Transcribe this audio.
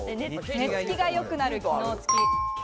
寝つきがよくなる機能付き。